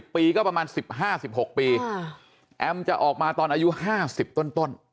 ปีก็ประมาณ๑๕๑๖ปีแอมจะออกมาตอนอายุ๕๐ต้น